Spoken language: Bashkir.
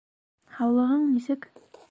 Һаулығың нисек?